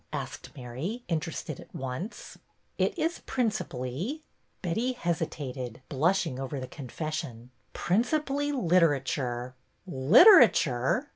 asked Mary, interested at once. " It is principally —" Betty hesitated, blush PRESERVES 129 ing over the confession, '' principally Litera ture/' Literature!"